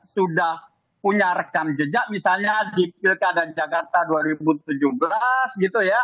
sudah punya rekam jejak misalnya di pilkada jakarta dua ribu tujuh belas gitu ya